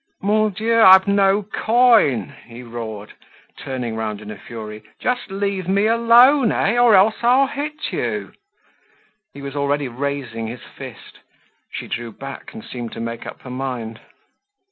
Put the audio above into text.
"Mon Dieu! I've no coin," he roared, turning round in a fury. "Just leave me alone, eh? Or else I'll hit you." He was already raising his fist. She drew back, and seemed to make up her mind.